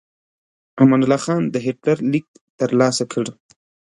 امان الله خان د هیټلر لیک ترلاسه کړ.